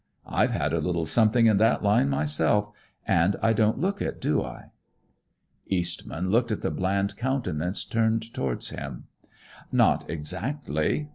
I've had a little something in that line myself and I don't look it, do I?" Eastman looked at the bland countenance turned toward him. "Not exactly.